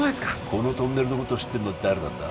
このトンネルのことを知ってるのは誰だった？